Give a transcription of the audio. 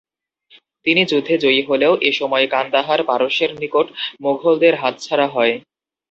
তিনি যুদ্ধে জয়ী হলেও, এসময় কান্দাহার পারস্যের নিকট মুঘলদের হাতছাড়া হয়।